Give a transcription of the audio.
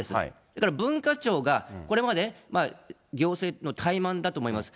だから文化庁がこれまで行政の怠慢だと思います。